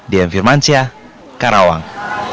dm firmansyah karawang